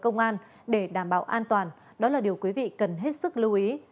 cơ quan cảnh sát điều tra bộ công an để đảm bảo an toàn đó là điều quý vị cần hết sức lưu ý